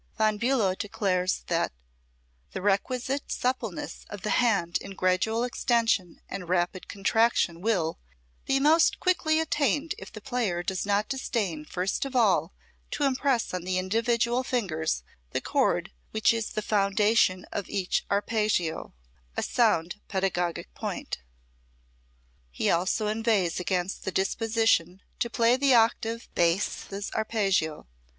Von Bulow declares that "the requisite suppleness of the hand in gradual extension and rapid contraction will be most quickly attained if the player does not disdain first of all to impress on the individual fingers the chord which is the foundation of each arpeggio;" a sound pedagogic point. He also inveighs against the disposition to play the octave basses arpeggio.